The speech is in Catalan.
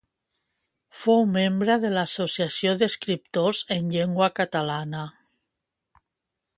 Fou membre de l'Associació d'Escriptors en Llengua Catalana.